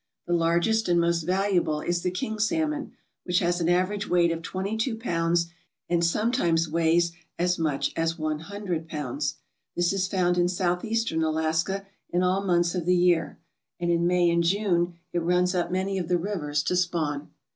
The largest and most valuable is the king salmon, which has an average weight of twenty two pounds and some times weighs as high as one hundred pounds* This is found in Southeastern Alaska in all months of the year, and in May and June it runs up many of the rivers to spawn.